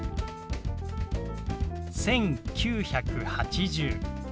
「１９８０」。